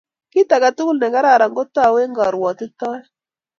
Kit age tugul ne kararan ko tou ak karuotitoet